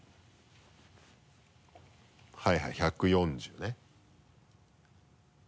はいはい１４０ね。